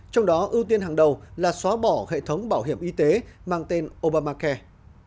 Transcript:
trong đó ưu tiên hàng đầu là xóa bỏ hệ thống bảo hiểm y tế mang tên obamacai